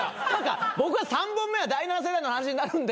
僕は「３本目は第７世代の話になるんだよ」